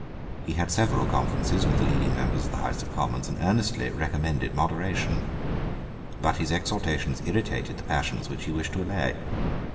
He held several conferences with the leading members of the House of Commons, and earnestly recommended moderation. But his exhortations irritated the passions which he wished to allay.